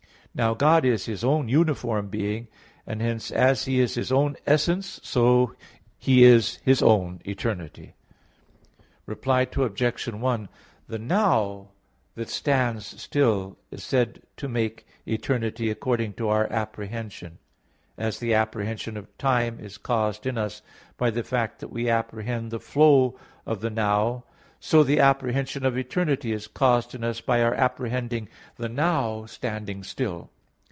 Now God is His own uniform being; and hence as He is His own essence, so He is His own eternity. Reply Obj. 1: The "now" that stands still, is said to make eternity according to our apprehension. As the apprehension of time is caused in us by the fact that we apprehend the flow of the "now," so the apprehension of eternity is caused in us by our apprehending the "now" standing still.